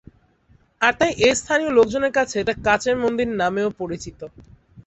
আর তাই এস্থানিয় লোকজনের কাছে এটা কাচের মন্দির নামেও পরিচিত।